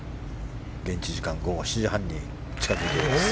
現地時間午後７時半に近づいています。